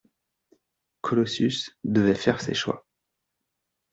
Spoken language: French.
Colossus devait faire ses choix